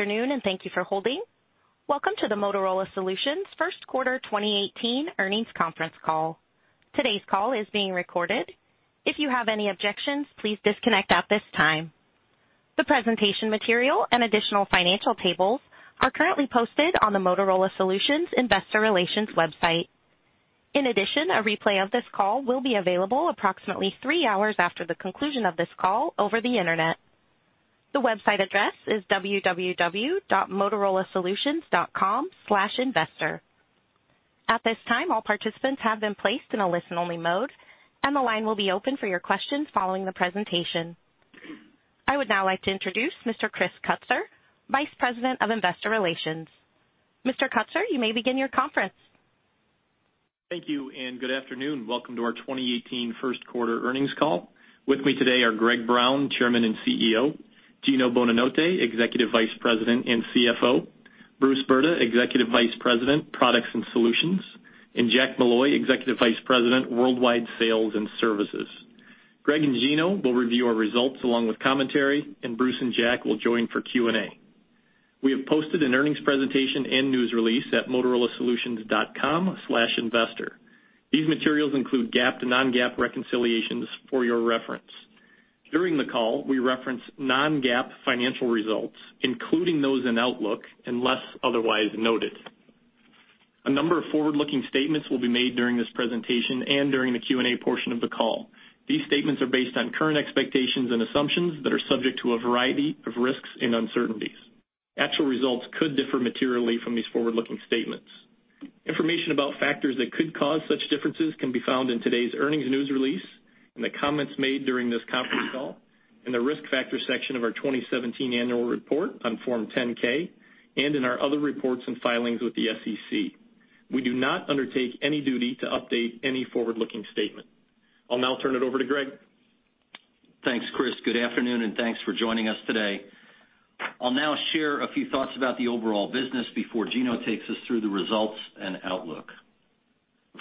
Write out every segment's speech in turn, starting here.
Good afternoon, and thank you for holding. Welcome to the Motorola Solutions first quarter 2018 earnings conference call. Today's call is being recorded. If you have any objections, please disconnect at this time. The presentation material and additional financial tables are currently posted on the Motorola Solutions investor relations website. In addition, a replay of this call will be available approximately 3 hours after the conclusion of this call over the Internet. The website address is www.motorolasolutions.com/investor. At this time, all participants have been placed in a listen-only mode, and the line will be open for your questions following the presentation. I would now like to introduce Mr. Chris Kutsor, Vice President of Investor Relations. Mr. Kutsor, you may begin your conference. Thank you, and good afternoon. Welcome to our 2018 first quarter earnings call. With me today are Greg Brown, Chairman and CEO, Gino Bonanotte, Executive Vice President and CFO, Bruce Brda, Executive Vice President, Products and Solutions, and Jack Molloy, Executive Vice President, Worldwide Sales and Services. Greg and Gino will review our results along with commentary, and Bruce and Jack will join for Q&A. We have posted an earnings presentation and news release at motorolasolutions.com/investor. These materials include GAAP to non-GAAP reconciliations for your reference. During the call, we reference non-GAAP financial results, including those in Outlook, unless otherwise noted. A number of forward-looking statements will be made during this presentation and during the Q&A portion of the call. These statements are based on current expectations and assumptions that are subject to a variety of risks and uncertainties. Actual results could differ materially from these forward-looking statements. Information about factors that could cause such differences can be found in today's earnings news release, and the comments made during this conference call, in the Risk Factors section of our 2017 annual report on Form 10-K, and in our other reports and filings with the SEC. We do not undertake any duty to update any forward-looking statement. I'll now turn it over to Greg. Thanks, Chris. Good afternoon, and thanks for joining us today. I'll now share a few thoughts about the overall business before Gino takes us through the results and outlook.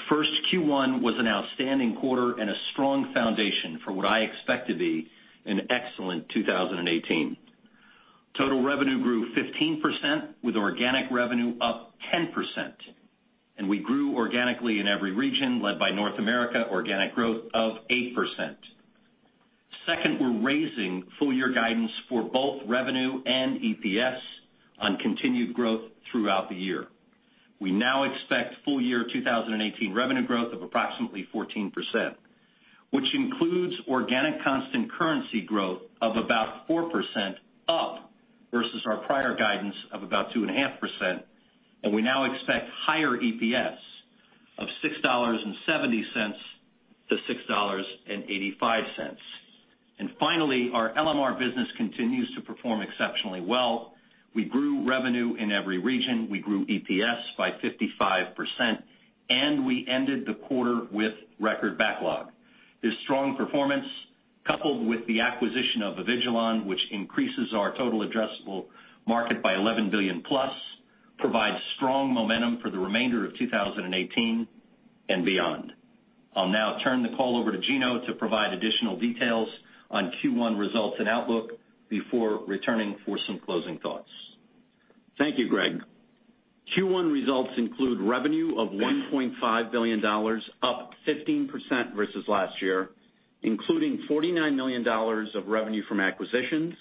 First, Q1 was an outstanding quarter and a strong foundation for what I expect to be an excellent 2018. Total revenue grew 15%, with organic revenue up 10%, and we grew organically in every region, led by North America, organic growth of 8%. Second, we're raising full-year guidance for both revenue and EPS on continued growth throughout the year. We now expect full-year 2018 revenue growth of approximately 14%, which includes organic constant currency growth of about 4% up, versus our prior guidance of about 2.5%, and we now expect higher EPS of $6.70-$6.85. Finally, our LMR business continues to perform exceptionally well. We grew revenue in every region, we grew EPS by 55%, and we ended the quarter with record backlog. This strong performance, coupled with the acquisition of Avigilon, which increases our total addressable market by $11 billion plus, provides strong momentum for the remainder of 2018 and beyond. I'll now turn the call over to Gino to provide additional details on Q1 results and outlook before returning for some closing thoughts. Thank you, Greg. Q1 results include revenue of $1.5 billion, up 15% versus last year, including $49 million of revenue from acquisitions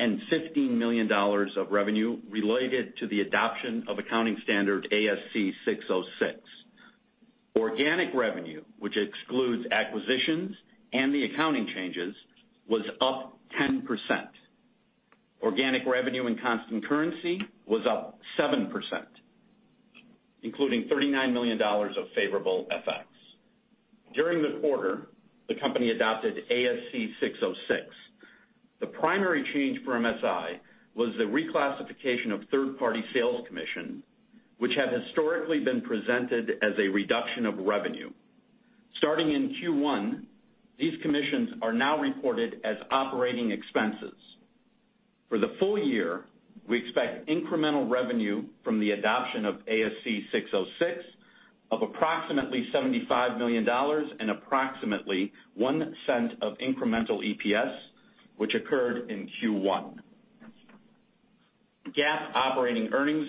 and $15 million of revenue related to the adoption of accounting standard ASC 606. Organic revenue, which excludes acquisitions and the accounting changes, was up 10%. Organic revenue and constant currency was up 7%, including $39 million of favorable FX. During the quarter, the company adopted ASC 606. The primary change for MSI was the reclassification of third-party sales commission, which had historically been presented as a reduction of revenue. Starting in Q1, these commissions are now reported as operating expenses. For the full year, we expect incremental revenue from the adoption of ASC 606 of approximately $75 million and approximately $0.01 of incremental EPS, which occurred in Q1. GAAP operating earnings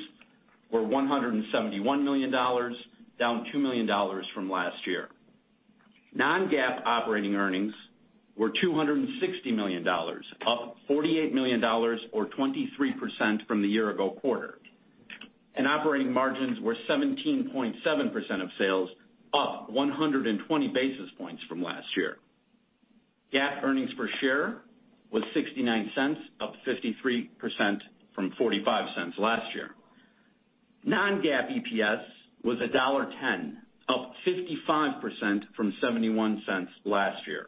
were $171 million, down $2 million from last year. Non-GAAP operating earnings were $260 million, up $48 million or 23% from the year ago quarter, and operating margins were 17.7% of sales, up 120 basis points from last year. GAAP earnings per share was $0.69, up 53% from $0.45 last year. Non-GAAP EPS was $1.10, up 55% from $0.71 last year.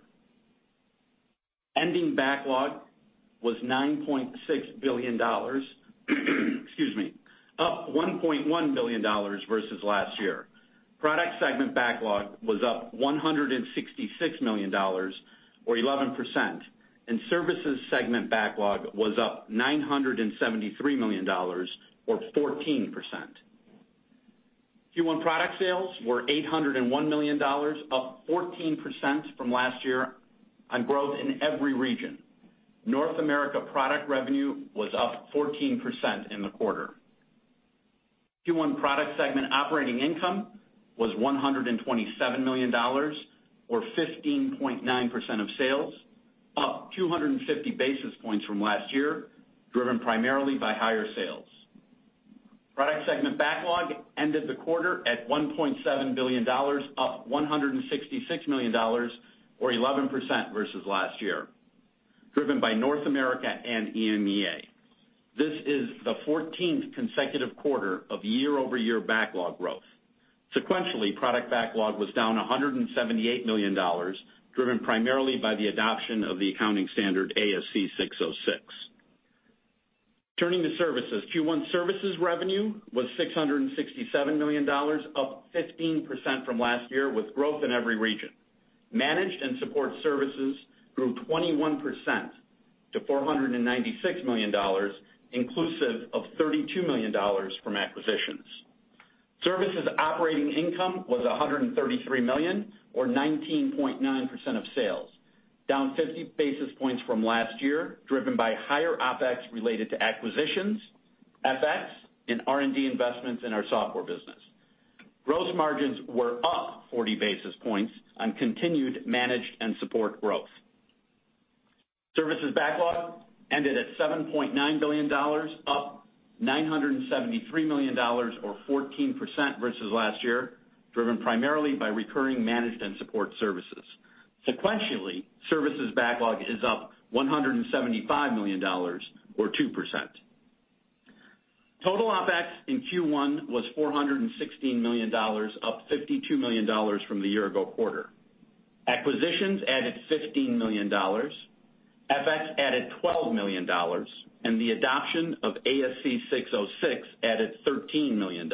Ending backlog was $9.6 billion, excuse me, up $1.1 billion versus last year. Product segment backlog was up $166 million, or 11%, and services segment backlog was up $973 million, or 14%.... Q1 product sales were $801 million, up 14% from last year on growth in every region. North America product revenue was up 14% in the quarter. Q1 product segment operating income was $127 million, or 15.9% of sales, up 250 basis points from last year, driven primarily by higher sales. Product segment backlog ended the quarter at $1.7 billion, up $166 million or 11% versus last year, driven by North America and EMEA. This is the 14th consecutive quarter of year-over-year backlog growth. Sequentially, product backlog was down $178 million, driven primarily by the adoption of the accounting standard ASC 606. Turning to services. Q1 services revenue was $667 million, up 15% from last year, with growth in every region. Managed and support services grew 21% to $496 million, inclusive of $32 million from acquisitions. Services operating income was $133 million, or 19.9% of sales, down 50 basis points from last year, driven by higher OpEx related to acquisitions, FX, and R&D investments in our software business. Gross margins were up 40 basis points on continued managed and support growth. Services backlog ended at $7.9 billion, up $973 million or 14% versus last year, driven primarily by recurring managed and support services. Sequentially, services backlog is up $175 million or 2%. Total OpEx in Q1 was $416 million, up $52 million from the year ago quarter. Acquisitions added $15 million, FX added $12 million, and the adoption of ASC 606 added $13 million.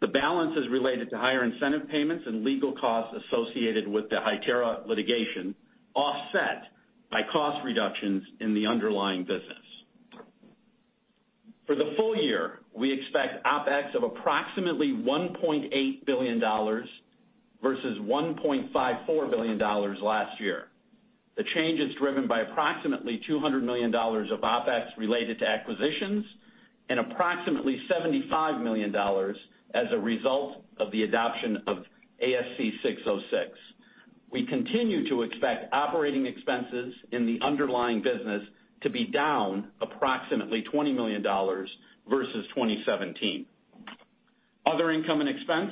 The balance is related to higher incentive payments and legal costs associated with the Hytera litigation, offset by cost reductions in the underlying business. For the full year, we expect OpEx of approximately $1.8 billion versus $1.54 billion last year. The change is driven by approximately $200 million of OpEx related to acquisitions and approximately $75 million as a result of the adoption of ASC 606. We continue to expect operating expenses in the underlying business to be down approximately $20 million versus 2017. Other income and expense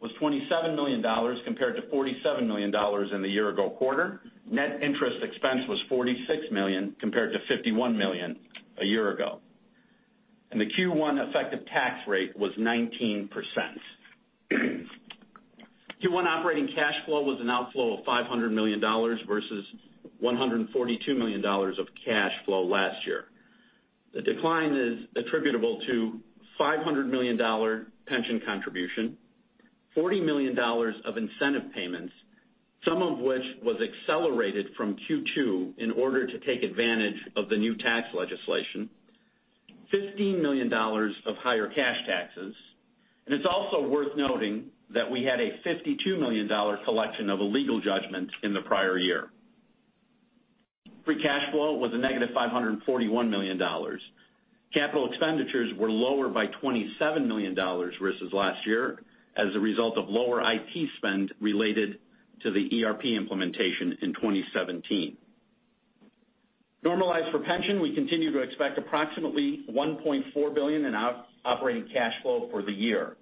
was $27 million, compared to $47 million in the year ago quarter. Net interest expense was $46 million, compared to $51 million a year ago, and the Q1 effective tax rate was 19%. Q1 operating cash flow was an outflow of $500 million versus $142 million of cash flow last year. The decline is attributable to $500 million pension contribution, $40 million of incentive payments, some of which was accelerated from Q2 in order to take advantage of the new tax legislation, $15 million of higher cash taxes, and it's also worth noting that we had a $52 million collection of a legal judgment in the prior year. Free cash flow was a negative $541 million. Capital expenditures were lower by $27 million versus last year as a result of lower IT spend related to the ERP implementation in 2017. Normalized for pension, we continue to expect approximately $1.4 billion in operating cash flow for the year.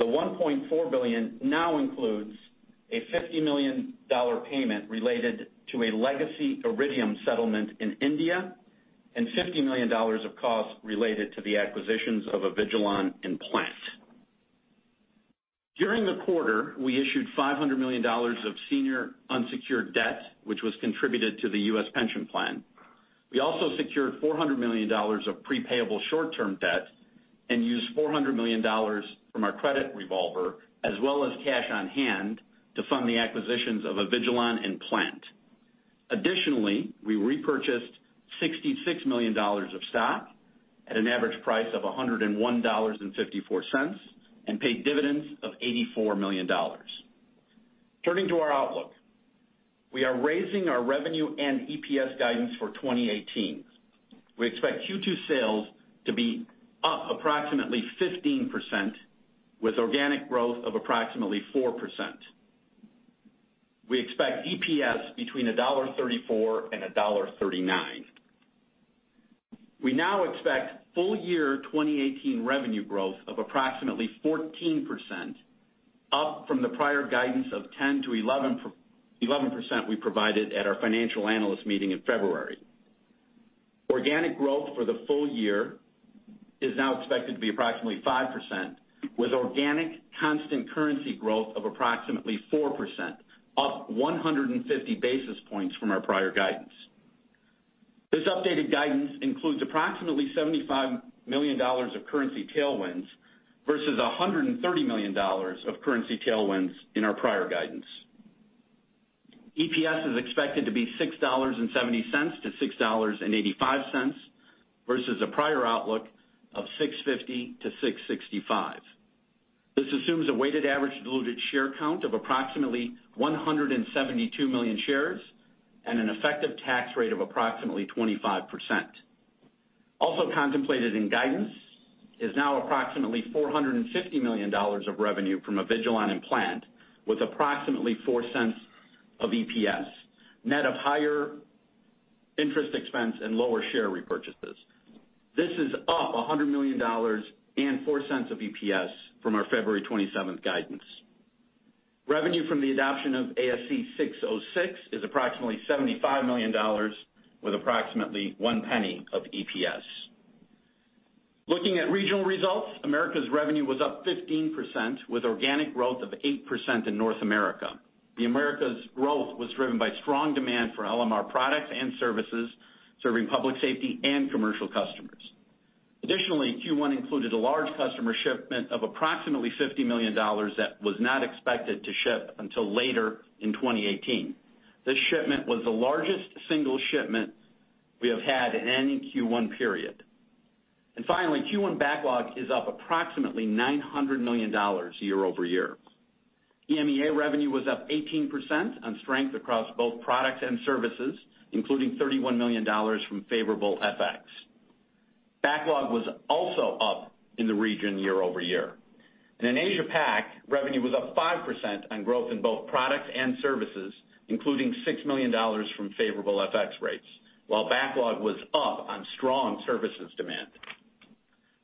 The $1.4 billion now includes a $50 million payment related to a legacy Iridium settlement in India and $50 million of costs related to the acquisitions of Avigilon and Plant. During the quarter, we issued $500 million of senior unsecured debt, which was contributed to the U.S. pension plan. We also secured $400 million of pre-payable short-term debt and used $400 million from our credit revolver, as well as cash on hand, to fund the acquisitions of Avigilon and Plant. Additionally, we repurchased $66 million of stock at an average price of $101.54 and paid dividends of $84 million. Turning to our outlook. We are raising our revenue and EPS guidance for 2018. We expect Q2 sales to be up approximately 15%, with organic growth of approximately 4%. We expect EPS between $1.34 and $1.39. We now expect full year 2018 revenue growth of approximately 14%, up from the prior guidance of 10%-11% we provided at our financial analyst meeting in February. Organic growth for the full year is now expected to be approximately 5%, with organic constant currency growth of approximately 4%, up 150 basis points from our prior guidance. This updated guidance includes approximately $75 million of currency tailwinds versus $130 million of currency tailwinds in our prior guidance. EPS is expected to be $6.70-$6.85, versus a prior outlook of $6.50-$6.65. This assumes a weighted average diluted share count of approximately 172 million shares and an effective tax rate of approximately 25%. Also contemplated in guidance is now approximately $450 million of revenue from Avigilon and Plant, with approximately $0.04 of EPS, net of higher interest expense and lower share repurchases. This is up $100 million and $0.04 of EPS from our February 27 guidance. Revenue from the adoption of ASC 606 is approximately $75 million, with approximately $0.01 of EPS. Looking at regional results, Americas revenue was up 15%, with organic growth of 8% in North America. The Americas growth was driven by strong demand for LMR products and services, serving public safety and commercial customers. Additionally, Q1 included a large customer shipment of approximately $50 million that was not expected to ship until later in 2018. This shipment was the largest single shipment we have had in any Q1 period. Finally, Q1 backlog is up approximately $900 million year-over-year. EMEA revenue was up 18% on strength across both products and services, including $31 million from favorable FX. Backlog was also up in the region year-over-year. In Asia Pac, revenue was up 5% on growth in both products and services, including $6 million from favorable FX rates, while backlog was up on strong services demand.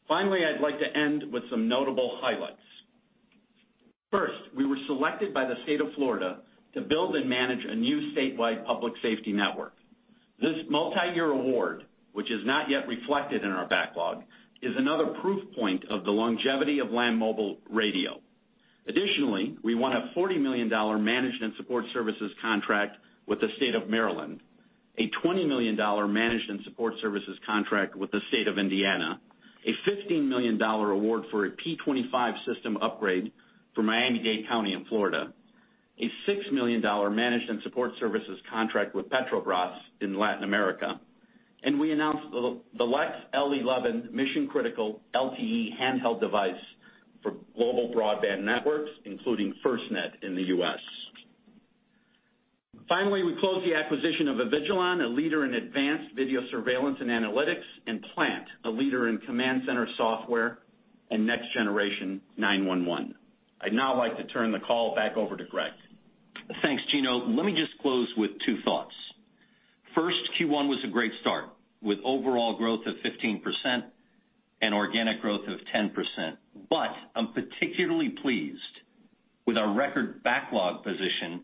Finally, I'd like to end with some notable highlights. First, we were selected by the State of Florida to build and manage a new statewide public safety network. This multiyear award, which is not yet reflected in our backlog, is another proof point of the longevity of land mobile radio. Additionally, we won a $40 million management support services contract with the State of Maryland, a $20 million management support services contract with the State of Indiana, a $15 million award for a P25 system upgrade for Miami-Dade County in Florida, a $6 million management support services contract with Petrobras in Latin America, and we announced the LEX L11 mission-critical LTE handheld device for global broadband networks, including FirstNet in the U.S. Finally, we closed the acquisition of Avigilon, a leader in advanced video surveillance and analytics, and Plant, a leader in command center software and Next Generation 9-1-1. I'd now like to turn the call back over to Greg. Thanks, Gino. Let me just close with two thoughts. First, Q1 was a great start, with overall growth of 15% and organic growth of 10%. But I'm particularly pleased with our record backlog position,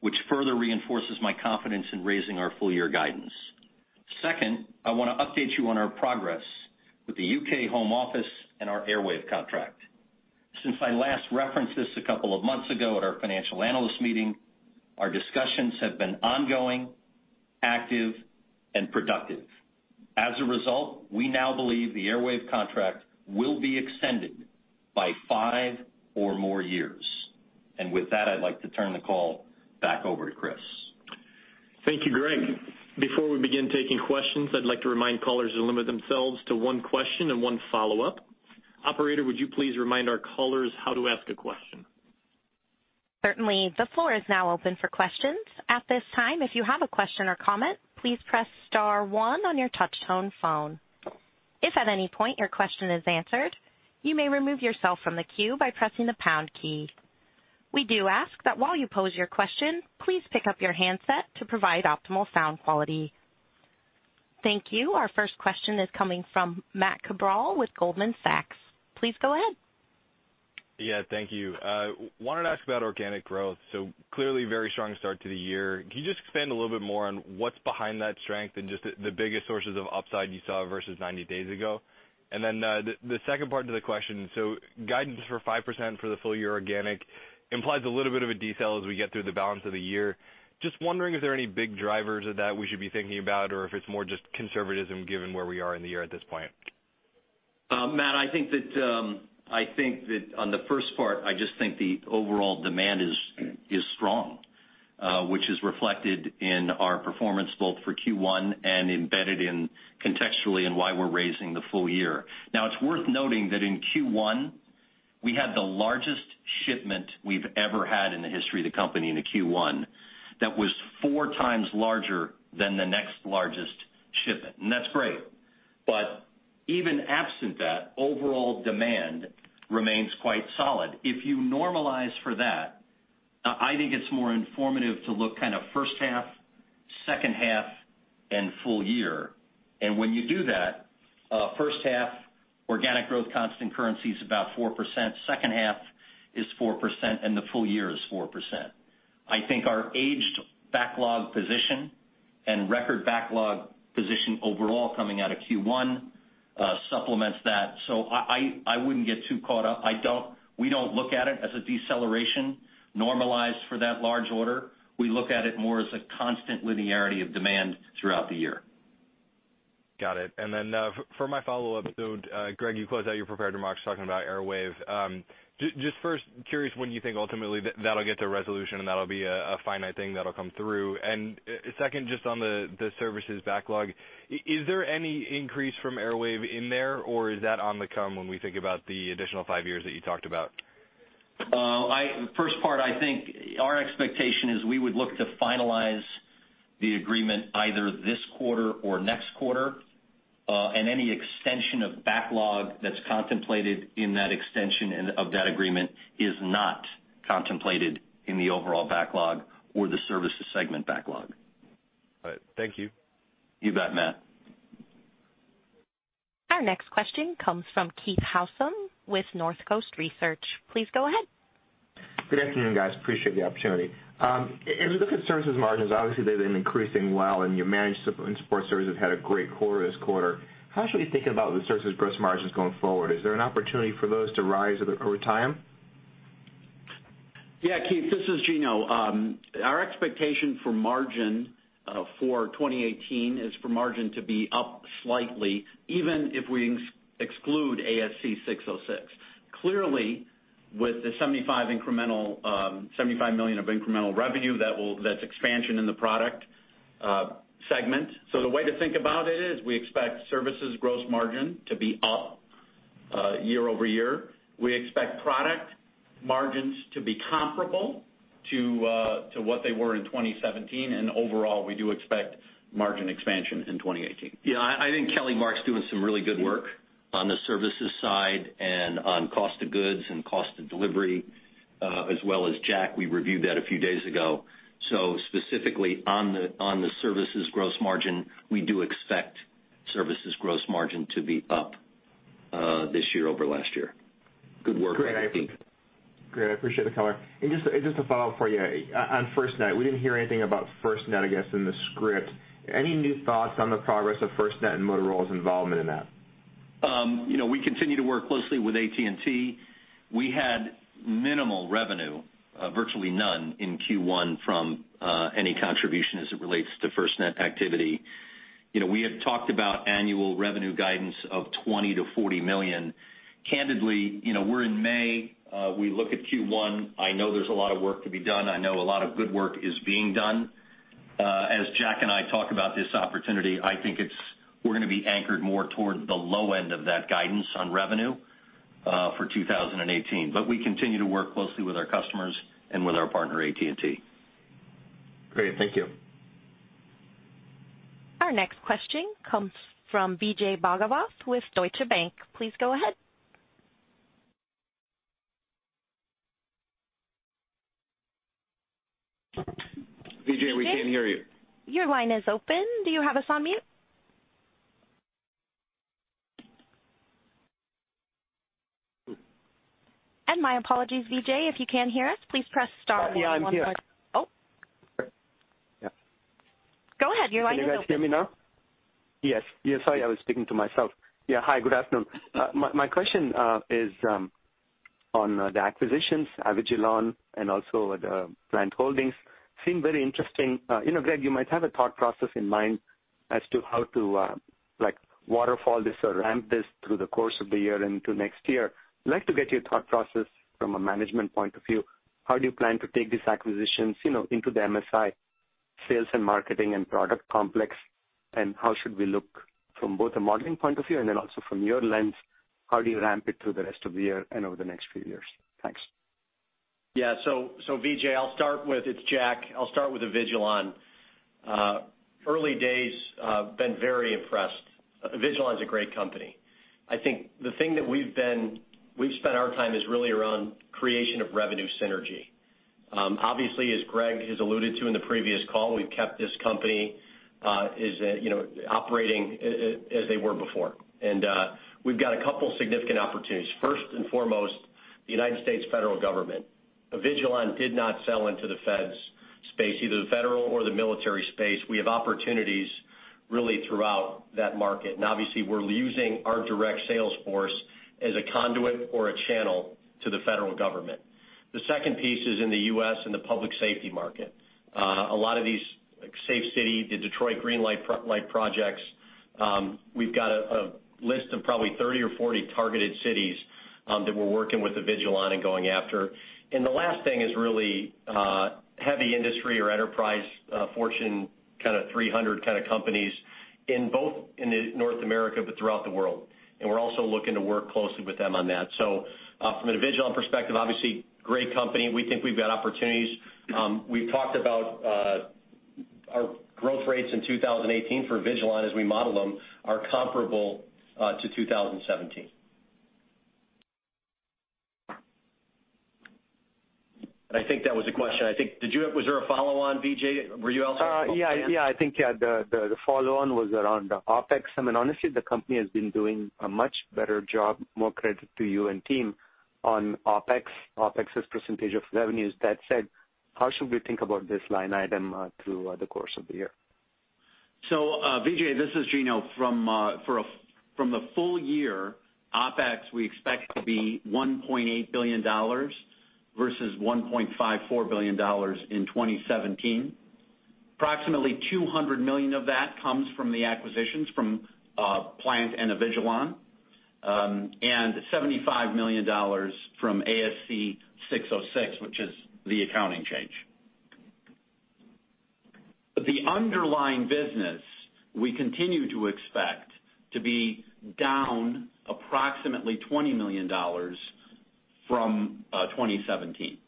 which further reinforces my confidence in raising our full year guidance. Second, I want to update you on our progress with the U.K. Home Office and our Airwave contract. Since I last referenced this a couple of months ago at our financial analyst meeting, our discussions have been ongoing, active and productive. As a result, we now believe the Airwave contract will be extended by 5 or more years. And with that, I'd like to turn the call back over to Chris. Thank you, Greg. Before we begin taking questions, I'd like to remind callers to limit themselves to one question and one follow-up. Operator, would you please remind our callers how to ask a question? Certainly. The floor is now open for questions. At this time, if you have a question or comment, please press star 1 on your touchtone phone. If at any point your question is answered, you may remove yourself from the queue by pressing the pound key. We do ask that while you pause your question, please pick up your handset to provide optimal sound quality. Thank you. Our first question is coming from Matt Cabral with Goldman Sachs. Please go ahead. Yeah, thank you. Wanted to ask about organic growth. So clearly, very strong start to the year. Can you just expand a little bit more on what's behind that strength and just the biggest sources of upside you saw versus 90 days ago? And then, the second part to the question, so guidance for 5% for the full year organic implies a little bit of a detail as we get through the balance of the year. Just wondering if there are any big drivers of that we should be thinking about, or if it's more just conservatism given where we are in the year at this point. Matt, I think that, I think that on the first part, I just think the overall demand is strong, which is reflected in our performance both for Q1 and embedded in the context of why we're raising the full year. Now, it's worth noting that in Q1, we had the largest shipment we've ever had in the history of the company in a Q1 that was 4 times larger than the next largest shipment. And that's great. But even absent that, overall demand remains quite solid. If you normalize for that, I think it's more informative to look kind of first half, second half, and full year. And when you do that, first half, organic growth, constant currency is about 4%, second half is 4%, and the full year is 4%. I think our aged backlog position and record backlog position overall coming out of Q1 supplements that. So I wouldn't get too caught up. I don't. We don't look at it as a deceleration normalized for that large order. We look at it more as a constant linearity of demand throughout the year. Got it. And then, for my follow-up, so, Greg, you closed out your prepared remarks talking about Airwave. Just first, curious when you think ultimately that that'll get to resolution, and that'll be a finite thing that'll come through. And, second, just on the services backlog, is there any increase from Airwave in there, or is that on the come when we think about the additional five years that you talked about? First part, I think our expectation is we would look to finalize the agreement either this quarter or next quarter. And any extension of backlog that's contemplated in that extension and of that agreement is not contemplated in the overall backlog or the services segment backlog. All right. Thank you. You bet, Matt. Our next question comes from Keith Housum with Northcoast Research. Please go ahead. Good afternoon, guys. Appreciate the opportunity. As we look at services margins, obviously, they've been increasing well, and your managed support and support services have had a great quarter this quarter. How should we think about the services gross margins going forward? Is there an opportunity for those to rise over time? Yeah, Keith, this is Gino. Our expectation for margin for 2018 is for margin to be up slightly, even if we exclude ASC 606. Clearly, with the $75 million of incremental revenue, that's expansion in the product segment. So the way to think about it is we expect services gross margin to be up year over year. We expect product margins to be comparable to what they were in 2017, and overall, we do expect margin expansion in 2018. Yeah, I think Kelly Mark's doing some really good work on the services side and on cost of goods and cost of delivery, as well as Jack. We reviewed that a few days ago. So specifically on the services gross margin, we do expect services gross margin to be up this year over last year. Good work, I think. Great. I appreciate the color. And just a follow-up for you. On FirstNet, we didn't hear anything about FirstNet, I guess, in the script. Any new thoughts on the progress of FirstNet and Motorola's involvement in that? You know, we continue to work closely with AT&T. We had minimal revenue, virtually none, in Q1 from any contribution as it relates to FirstNet activity. You know, we have talked about annual revenue guidance of $20 million-$40 million. Candidly, you know, we're in May, we look at Q1. I know there's a lot of work to be done. I know a lot of good work is being done. As Jack and I talk about this opportunity, I think it's, we're gonna be anchored more toward the low end of that guidance on revenue, for 2018. But we continue to work closely with our customers and with our partner, AT&T. Great. Thank you. Our next question comes from Vijay Bhagavath with Deutsche Bank. Please go ahead. Vijay, we can't hear you. Your line is open. Do you have us on mute? And my apologies, Vijay. If you can hear us, please press star- Yeah, I'm here. Oh! Yeah. Go ahead. Your line is open. Can you guys hear me now? Yes, yes. Sorry, I was speaking to myself. Yeah, hi, good afternoon. My question is on the acquisitions, Avigilon and also the Plant Holdings. Seem very interesting. You know, Greg, you might have a thought process in mind as to how to, like, waterfall this or ramp this through the course of the year into next year. I'd like to get your thought process from a management point of view. How do you plan to take these acquisitions, you know, into the MSI sales and marketing and product complex? And how should we look from both a modeling point of view and then also from your lens, how do you ramp it through the rest of the year and over the next few years? Thanks. Yeah. So, Vijay, I'll start with... It's Jack. I'll start with Avigilon. Early days, I've been very impressed. Avigilon is a great company. I think the thing that we've been, we've spent our time, is really around creation of revenue synergy. Obviously, as Greg has alluded to in the previous call, we've kept this company, you know, operating as they were before. And we've got a couple significant opportunities. First and foremost, the United States federal government. Avigilon did not sell into the Feds' space, either the federal or the military space. We have opportunities really throughout that market, and obviously, we're using our direct sales force as a conduit or a channel to the federal government. The second piece is in the U.S. and the public safety market. A lot of these, like Safe City, the Detroit Green Light project, we've got a list of probably 30 or 40 targeted cities, that we're working with Avigilon and going after. The last thing is really, heavy industry or enterprise, Fortune kind of 300 kind of companies in both in North America, but throughout the world. And we're also looking to work closely with them on that. From an Avigilon perspective, obviously, great company. We think we've got opportunities. We've talked about, our growth rates in 2018 for Avigilon, as we model them, are comparable, to 2017. I think that was the question. I think... Did you have-- Was there a follow on, Vijay? Were you also- I think the follow-on was around the OpEx. I mean, honestly, the company has been doing a much better job, more credit to you and team on OpEx, OpEx as percentage of revenues. That said, how should we think about this line item through the course of the year? So, Vijay, this is Gino. From the full year, OpEx, we expect to be $1.8 billion versus $1.54 billion in 2017. Approximately $200 million of that comes from the acquisitions from Plant and Avigilon, and $75 million from ASC 606, which is the accounting change. But the underlying business, we continue to expect to be down approximately $20 million from 2017.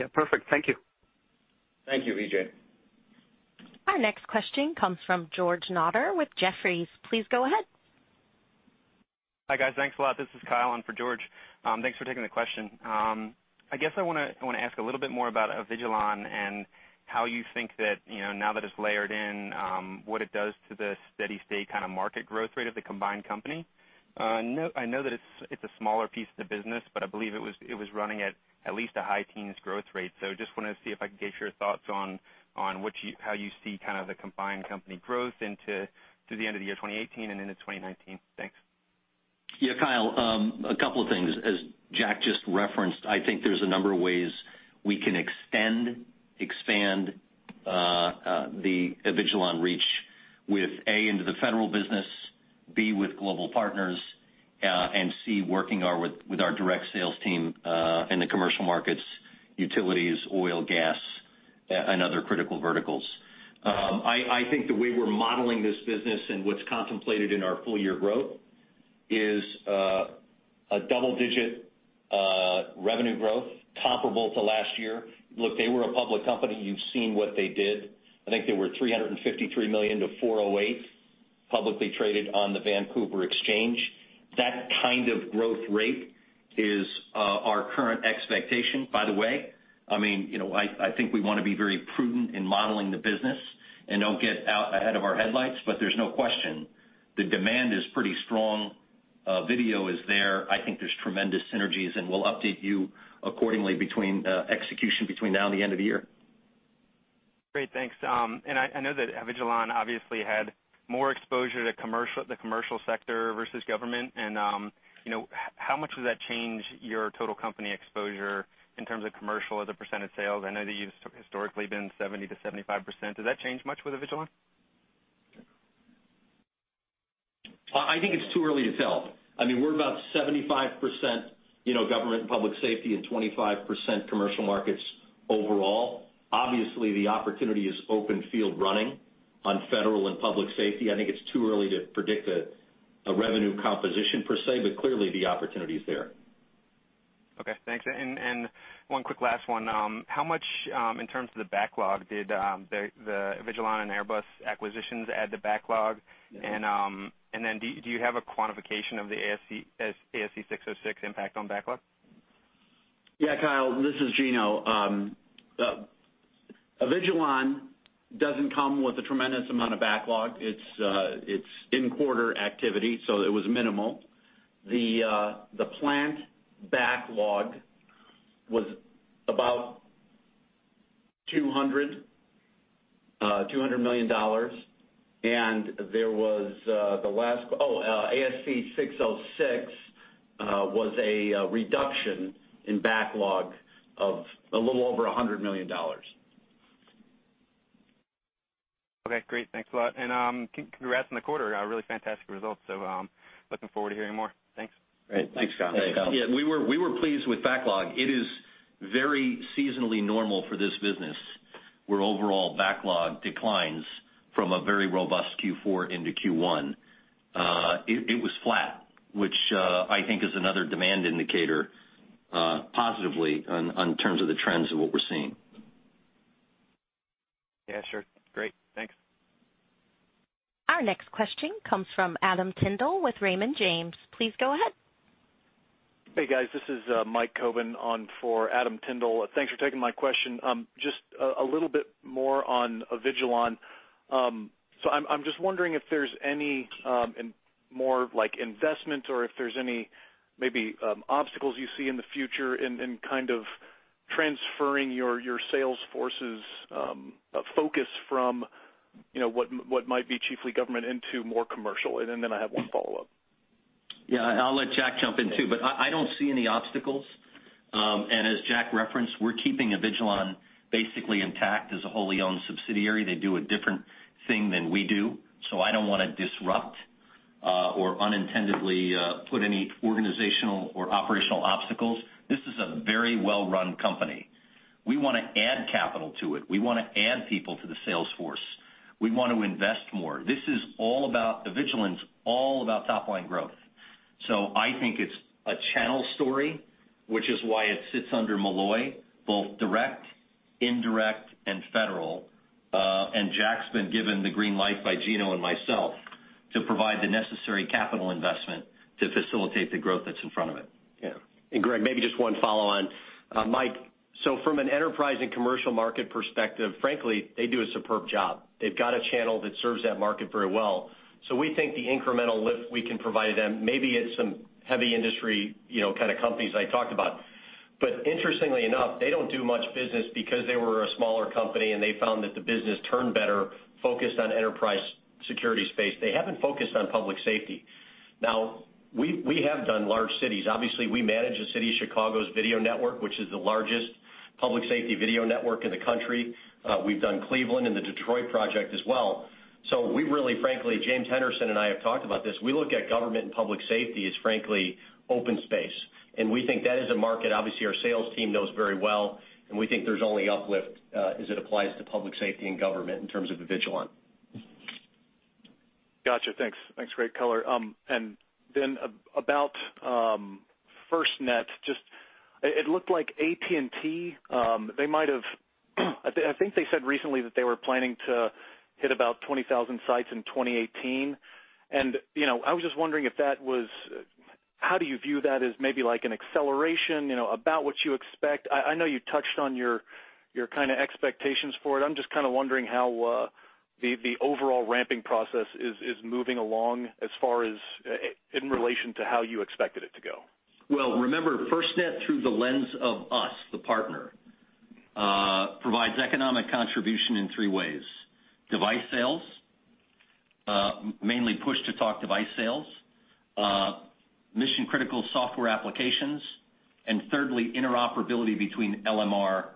Yeah. Perfect. Thank you. Thank you, Vijay. Our next question comes from George Notter with Jefferies. Please go ahead. Hi, guys. Thanks a lot. This is Kyle in for George. Thanks for taking the question. I guess I wanna, I wanna ask a little bit more about Avigilon and how you think that, you know, now that it's layered in, what it does to the steady state kind of market growth rate of the combined company. I know, I know that it's, it's a smaller piece of the business, but I believe it was, it was running at, at least a high teens growth rate. So just wanna see if I can gauge your thoughts on, on how you see kind of the combined company growth into, to the end of the year 2018 and into 2019. Thanks. Yeah, Kyle, a couple of things. As Jack just referenced, I think there's a number of ways we can extend, expand, the Avigilon reach with, A, into the federal business, B, with global partners, and C, working with our direct sales team in the commercial markets, utilities, oil, gas, and other critical verticals. I think the way we're modeling this business and what's contemplated in our full-year growth is a double-digit revenue growth comparable to last year. Look, they were a public company. You've seen what they did. I think they were $353 million to $408 million, publicly traded on the Vancouver Exchange. That kind of growth rate is our current expectation. By the way, I mean, you know, I think we wanna be very prudent in modeling the business and don't get out ahead of our headlights, but there's no question the demand is pretty strong. Video is there. I think there's tremendous synergies, and we'll update you accordingly between execution between now and the end of the year. Great, thanks. I know that Avigilon obviously had more exposure to the commercial sector versus government, and you know, how much does that change your total company exposure in terms of commercial as a percent of sales? I know that you've historically been 70%-75%. Does that change much with Avigilon? I think it's too early to tell. I mean, we're about 75%, you know, government and public safety and 25% commercial markets overall. Obviously, the opportunity is open field running on federal and public safety. I think it's too early to predict a revenue composition per se, but clearly the opportunity is there. Okay, thanks. And one quick last one. How much, in terms of the backlog, did the Avigilon and Airbus acquisitions add to backlog? And then do you have a quantification of the ASC 606 impact on backlog? Yeah, Kyle, this is Gino. Avigilon doesn't come with a tremendous amount of backlog. It's, it's in quarter activity, so it was minimal. The, the Plant backlog was about two hundred, two hundred million dollars, and there was, the last... Oh, ASC 606, was a, reduction in backlog of a little over a hundred million dollars. Okay, great. Thanks a lot, and congrats on the quarter. Really fantastic results. So, looking forward to hearing more. Thanks. Great. Thanks, Kyle. Thanks, Kyle. Yeah, we were pleased with backlog. It is very seasonally normal for this business, where overall backlog declines from a very robust Q4 into Q1. It was flat, which I think is another demand indicator, positively on terms of the trends of what we're seeing. Yeah, sure. Great, thanks. Our next question comes from Adam Tindle with Raymond James. Please go ahead. Hey, guys, this is Mike Coben on for Adam Tindle. Thanks for taking my question. Just a little bit more on Avigilon. So I'm just wondering if there's any and more like investments or if there's any maybe obstacles you see in the future in kind of transferring your sales force's focus from, you know, what might be chiefly government into more commercial. And then I have one follow-up. Yeah, I'll let Jack jump in, too, but I, I don't see any obstacles. And as Jack referenced, we're keeping Avigilon basically intact as a wholly owned subsidiary. They do a different thing than we do, so I don't wanna disrupt or unintendedly put any organizational or operational obstacles. This is a very well-run company. We wanna add capital to it. We wanna add people to the sales force. We want to invest more. This is all about Avigilon's, all about top line growth. So I think it's a channel story, which is why it sits under Molloy, both direct, indirect, and federal. And Jack's been given the green light by Gino and myself to provide the necessary capital investment to facilitate the growth that's in front of it. Yeah. And Greg, maybe just one follow-on. Mike, so from an enterprise and commercial market perspective, frankly, they do a superb job. They've got a channel that serves that market very well. So we think the incremental lift we can provide them, maybe it's some heavy industry, you know, kind of companies I talked about. But interestingly enough, they don't do much business because they were a smaller company, and they found that the business turned better focused on enterprise security space. They haven't focused on public safety. Now, we have done large cities. Obviously, we manage the City of Chicago's video network, which is the largest public safety video network in the country. We've done Cleveland and the Detroit project as well. We really, frankly, James Henderson and I have talked about this, we look at government and public safety as frankly open space, and we think that is a market obviously, our sales team knows very well, and we think there's only uplift, as it applies to public safety and government in terms of Avigilon. Gotcha. Thanks. Thanks, great color. And then about FirstNet, just it looked like AT&T, they might have, I think, I think they said recently that they were planning to hit about 20,000 sites in 2018. And, you know, I was just wondering if that was, how do you view that as maybe like an acceleration, you know, about what you expect? I know you touched on your kind of expectations for it. I'm just kind of wondering how the overall ramping process is moving along as far as in relation to how you expected it to go. Well, remember, FirstNet, through the lens of us, the partner, provides economic contribution in three ways: device sales, mainly push-to-talk device sales, mission-critical software applications, and thirdly, interoperability between LMR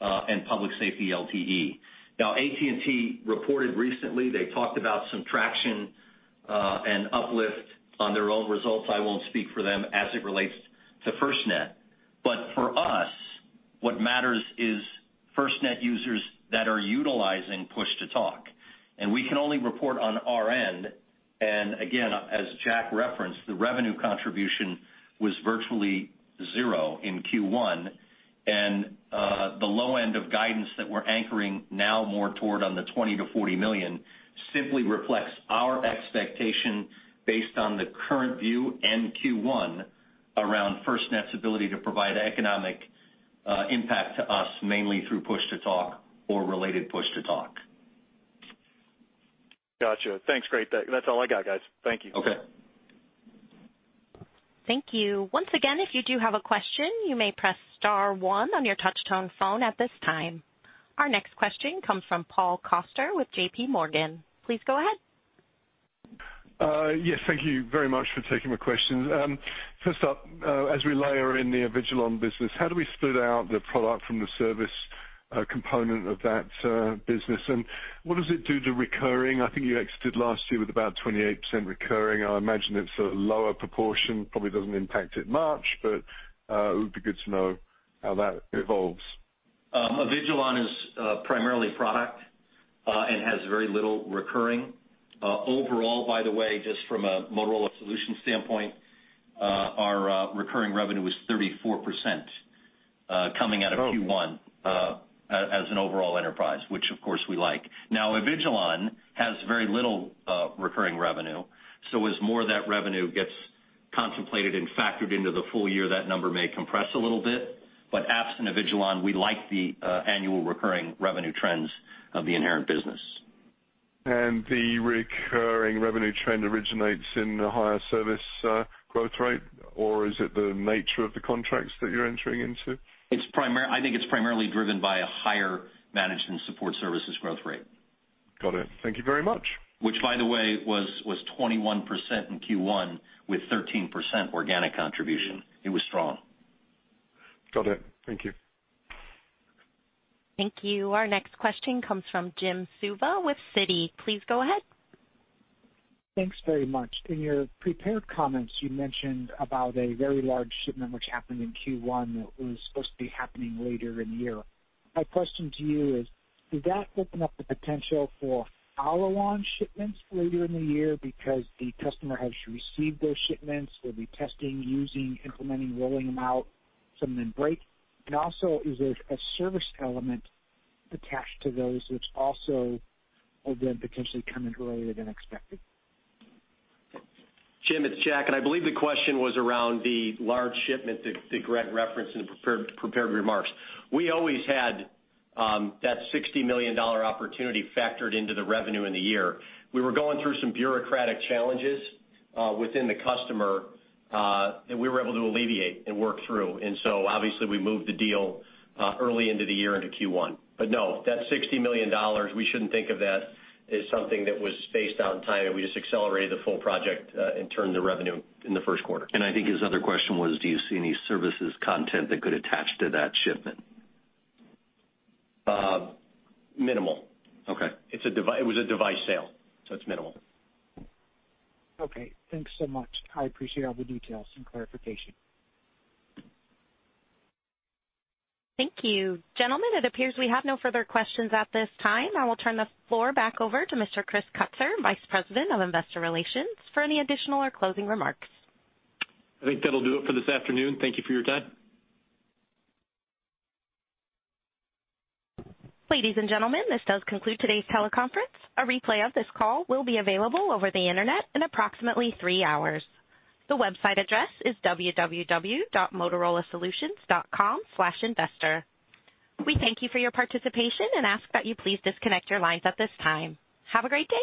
and public safety LTE. Now, AT&T reported recently, they talked about some traction and uplift on their own results. I won't speak for them as it relates to FirstNet, but for us, what matters is FirstNet users that are utilizing push-to-talk, and we can only report on our end. And again, as Jack referenced, the revenue contribution was virtually zero in Q1. And, the low end of guidance that we're anchoring now more toward on the $20 million-$40 million, simply reflects our expectation based on the current view in Q1, around FirstNet's ability to provide economic impact to us, mainly through push-to-talk or related push-to-talk. Gotcha. Thanks. Great. That's all I got, guys. Thank you. Okay. Thank you. Once again, if you do have a question, you may press star one on your touchtone phone at this time. Our next question comes from Paul Coster with J.P. Morgan. Please go ahead. Yes, thank you very much for taking my questions. First up, as we layer in the Avigilon business, how do we split out the product from the service component of that business? And what does it do to recurring? I think you exited last year with about 28% recurring. I imagine it's a lower proportion. Probably doesn't impact it much, but it would be good to know how that evolves. Avigilon is primarily product and has very little recurring. Overall, by the way, just from a Motorola Solutions standpoint, our recurring revenue is 34% coming out of Q1- Oh. as an overall enterprise, which of course we like. Now, Avigilon has very little, recurring revenue, so as more of that revenue gets contemplated and factored into the full year, that number may compress a little bit. But absent Avigilon, we like the, annual recurring revenue trends of the inherent business. The recurring revenue trend originates in the higher service growth rate, or is it the nature of the contracts that you're entering into? It's primarily driven by a higher managed support services growth rate. Got it. Thank you very much. Which, by the way, was 21% in Q1, with 13% organic contribution. It was strong. Got it. Thank you. Thank you. Our next question comes from Jim Suva with Citi. Please go ahead. Thanks very much. In your prepared comments, you mentioned about a very large shipment, which happened in Q1, that was supposed to be happening later in the year. My question to you is: Did that open up the potential for our launch shipments later in the year because the customer has received those shipments, will be testing, using, implementing, rolling them out, some then break? And also, is there a service element attached to those, which also will then potentially come in earlier than expected? Jim, it's Jack, and I believe the question was around the large shipment that Greg referenced in the prepared remarks. We always had that $60 million opportunity factored into the revenue in the year. We were going through some bureaucratic challenges within the customer that we were able to alleviate and work through, and so obviously we moved the deal early into the year, into Q1. But no, that $60 million, we shouldn't think of that as something that was spaced out in time, and we just accelerated the full project and turned the revenue in the first quarter. I think his other question was, do you see any services content that could attach to that shipment? Uh, minimal. Okay. It was a device sale, so it's minimal. Okay, thanks so much. I appreciate all the details and clarification. Thank you. Gentlemen, it appears we have no further questions at this time. I will turn the floor back over to Mr. Chris Kutsor, Vice President of Investor Relations, for any additional or closing remarks. I think that'll do it for this afternoon. Thank you for your time. Ladies and gentlemen, this does conclude today's teleconference. A replay of this call will be available over the Internet in approximately three hours. The website address is www.motorolasolutions.com/investor. We thank you for your participation and ask that you please disconnect your lines at this time. Have a great day.